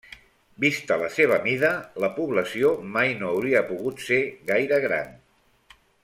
Vista la seva mida, la població mai no hauria pogut ser gaire gran.